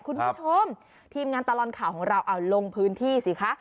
คุณผู้ชมทีมงานตลอดข่าวของเราเอาลงพื้นที่สิคะ